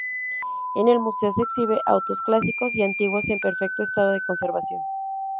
En el museo se exhibe autos clásicos y antiguos en perfecto estado de conservación.